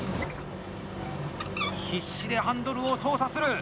必死でハンドルを操作する。